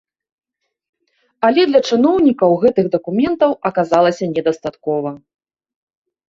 Але для чыноўнікаў гэтых дакументаў аказалася не дастаткова.